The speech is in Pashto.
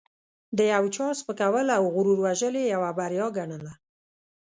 د یو چا سپکول او غرور وژل یې یوه بریا ګڼله.